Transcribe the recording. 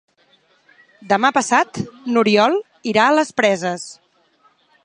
Demà passat n'Oriol irà a les Preses.